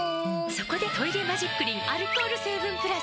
そこで「トイレマジックリン」アルコール成分プラス！